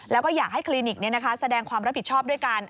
แล้วก็อยากให้คลีนิกเนี่ยนะคะแสดงความรับผิดชอบด้วยการ